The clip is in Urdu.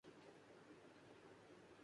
یہ کس طرح کی پنچھی ہے